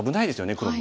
黒も。